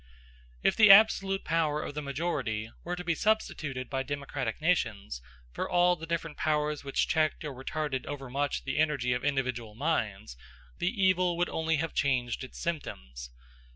If the absolute power of the majority were to be substituted by democratic nations, for all the different powers which checked or retarded overmuch the energy of individual minds, the evil would only have changed its symptoms.